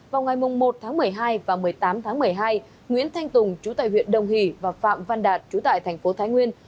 vào ngày một tháng một mươi hai và một mươi tám tháng một mươi hai nguyễn thanh tùng chú tại huyện đồng hỷ và phạm văn đạt trú tại thành phố thái nguyên